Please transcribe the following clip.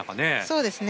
そうですね。